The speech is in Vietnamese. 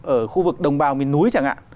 ở khu vực đồng bào miền núi chẳng hạn